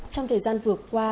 trong thời gian vừa qua